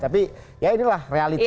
tapi ya inilah realitas